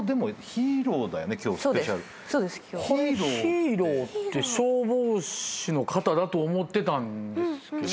ヒーローって消防士の方だと思ってたんですけど。